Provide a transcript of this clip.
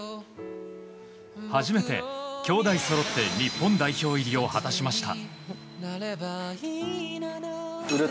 初めて、兄弟そろって日本代表入りを果たしました。